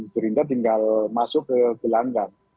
gerindra tinggal masuk ke gelanggang